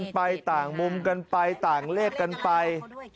เห็นกันไปต่างมุมกันไปต่างเลขกันไป